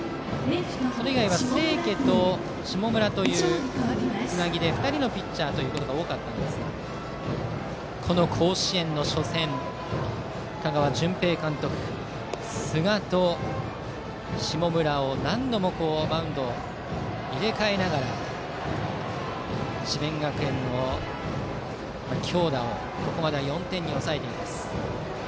それ以外は清家と下村というつなぎで２人のピッチャーということが多かったんですがこの甲子園の初戦、香川純平監督寿賀と下村で、何度もマウンドを入れ替えながら智弁学園の強打をここまで４点に抑えています。